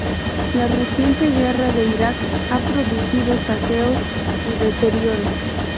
La reciente guerra de Irak ha producido saqueos y deterioros.